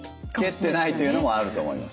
蹴ってないというのもあると思います。